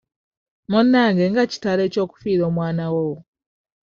Munnange nga kitalo eky'okufiirwa omwana wo.